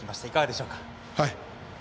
いかがでしょうか？